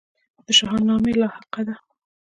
د شاهنامې لاحقه ده.